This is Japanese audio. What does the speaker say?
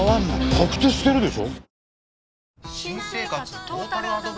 白手してるでしょ？